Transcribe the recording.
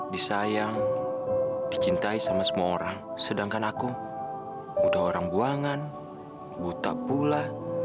disayang dicintai sama semua orang sedangkan aku udah orang buangan buta pula